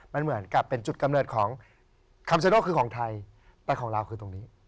มันเหมือนกับเป็นจุดกำเนิดของคำเซโน่คือของไทยแต่ของเราคือตรงนี้